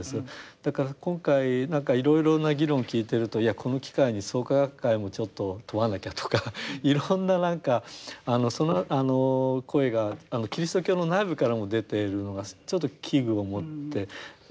だから今回何かいろいろな議論を聞いてるといやこの機会に創価学会もちょっと問わなきゃとかいろんな何か声がキリスト教の内部からも出ているのがちょっと危惧を持ってるところがございます。